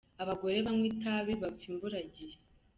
Abagore banywa itabi bapfa imburagihe